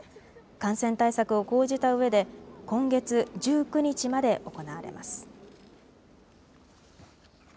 感染対策を講じたうえで今月１９日まで行われます。